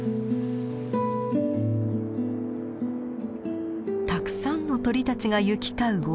たくさんの鳥たちが行き交う雄島。